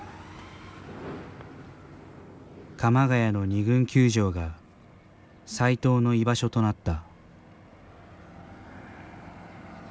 鎌ケ谷の２軍球場が斎藤の居場所となった。